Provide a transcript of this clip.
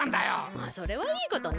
まあそれはいいことね。